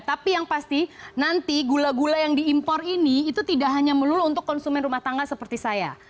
tapi yang pasti nanti gula gula yang diimpor ini itu tidak hanya melulu untuk konsumen rumah tangga seperti saya